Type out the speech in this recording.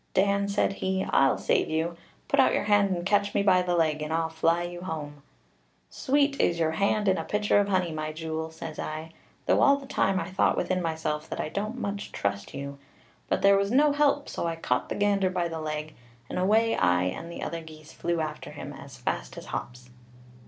'Dan,' said he, 'I'll save you: put out your hand and catch me by the leg, and I'll fly you home.' 'Sweet is your hand in a pitcher of honey, my jewel,' says I, though all the time I thought within myself that I don't much trust you; but there was no help, so I caught the gander by the leg, and away I and the other geese flew after him as fast as hops.